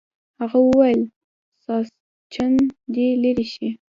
هغه وویل ساسچن دې لرې شي.